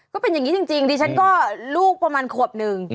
ก็เป็นอย่างนี้จริงดิฉันก็ลูกประมาณขวบหนึ่ง